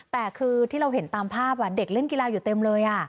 แต่คือที่เราเห็นตามภาพเด็กเล่นกีฬาอยู่เต็มเลย